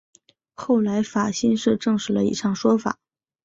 后来法新社证实了以上说法。